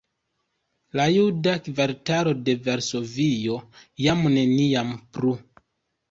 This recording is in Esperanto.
La juda kvartalo de Varsovio jam neniam plu!